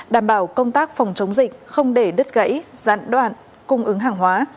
đảm bảo công tác phòng chống dịch không để đứt gãy gián đoạn cung ứng hàng hóa